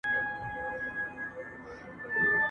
تاریخ کي یوازینی مشر دی ..